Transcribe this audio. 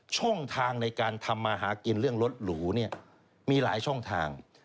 ช่องทางในการทำมาหากินเรื่องรถหรูเนี่ยมีหลายช่องทาง